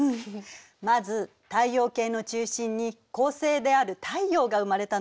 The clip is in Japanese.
まず太陽系の中心に恒星である太陽が生まれたの。